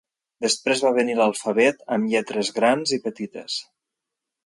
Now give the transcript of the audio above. Després va venir l'alfabet amb lletres grans i petites.